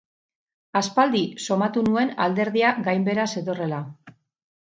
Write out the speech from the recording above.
Aspaldi sumatu nuen alderdia gainbehera zetorrela.